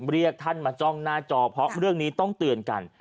เรียกท่านมาจ้องหน้าจอเพราะเรื่องนี้ต้องเตือนกัน